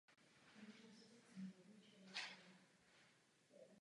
Názvy a způsob předvádění jednotlivých vývojových stupňů se v různých provedeních hry liší.